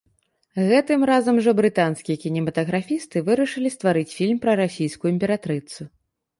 Гэтым разам жа брытанскія кінематаграфісты вырашылі стварыць фільм пра расійскую імператрыцу.